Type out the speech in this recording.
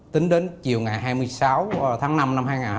tính đến chiều ngày hai mươi sáu tháng năm năm hai nghìn hai mươi ba